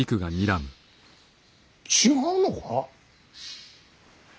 違うのか。